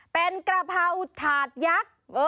เป็นกระเภาถาดยัก